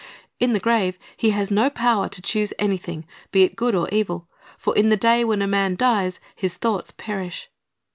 In the grave he has no power to choose anything, be it good or evil; for in the day when a man dies, his thoughts perish.